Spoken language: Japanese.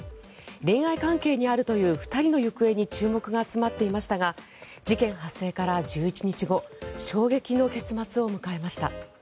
恋愛関係にあるという２人の行方に注目が集まっていましたが事件発生から１１日後衝撃の結末を迎えました。